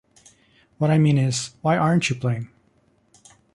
What I mean is, why aren't you playing?